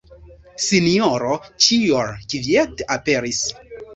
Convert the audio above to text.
Sinjoro Ĉiol kviete aperis.